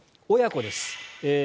親子です。